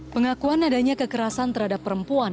pengakuan adanya kekerasan terhadap perempuan